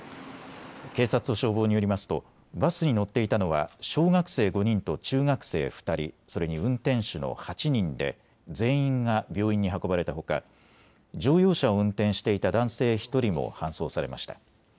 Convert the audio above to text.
警察と消防によりますとバスに乗っていたのは小学生５人と中学生２人、それに運転手の８人で全員が病院に運ばれたほか乗用車を運転していた男性１人も搬送されました。